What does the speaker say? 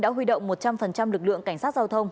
đã huy động một trăm linh lực lượng cảnh sát giao thông